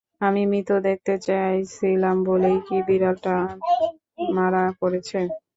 আমি মৃত দেখতে চাইছিলাম বলেই কি বিড়ালটা মারা পড়েছে!